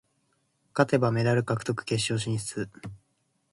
勝てばメダル確定、決勝進出。